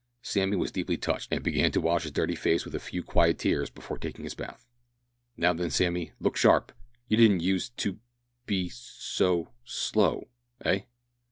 Sammy was deeply touched, and began to wash his dirty face with a few quiet tears before taking his bath. "Now then, Sammy look sharp! You didn't use to be so slow! eh?"